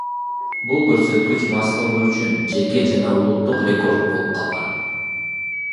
Бул көрсөткүч Маслова үчүн жеке жана улуттук рекорд болуп калган.